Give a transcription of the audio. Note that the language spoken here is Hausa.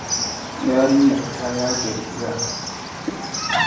Yarinyar ta yaga rigar.